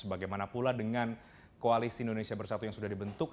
bagaimana pula dengan koalisi indonesia bersatu yang sudah dibentuk